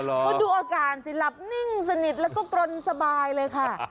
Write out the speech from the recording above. คุณดูอาการสิหลับนิ่งสนิทแล้วก็กรนสบายเลยค่ะ